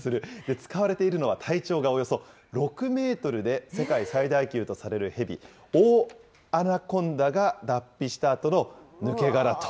使われているのは、体長がおよそ６メートルで、世界最大級とされる蛇、オオアナコンダが脱皮したあとの抜け殻と。